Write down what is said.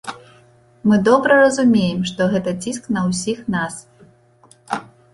Мы добра разумеем, што гэта ціск на ўсіх нас.